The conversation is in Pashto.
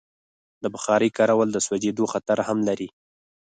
د بخارۍ کارول د سوځېدو خطر هم لري.